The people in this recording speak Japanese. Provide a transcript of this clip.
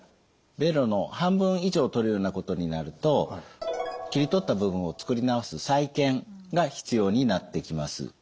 ベロの半分以上を取るようなことになると切り取った部分を作り直す再建が必要になってきます。